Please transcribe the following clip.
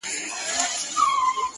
ځكه له يوه جوړه كالو سره راوتـي يــو!!